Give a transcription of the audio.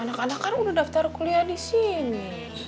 anak anak kan udah daftar kuliah di sini